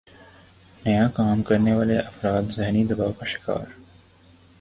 نیا کام کرنے والےافراد ذہنی دباؤ کا شکار